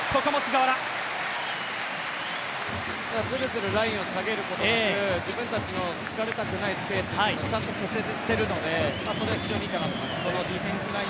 ずるずるラインを下げることなく自分たちの突かれたくないスペースをちゃんと消せているのでそれは非常にいいかなと思いますね。